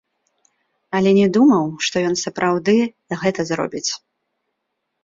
Але не думаў, што ён сапраўды гэта зробіць.